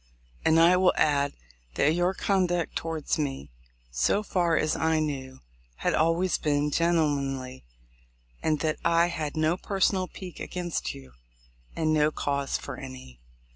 And I will add, that your conduct towards me, so far as I knew, had always been gentlemanly, and THE LIFE OF LINCOLN. 253 that I had no personal pique against you, and no cause for any."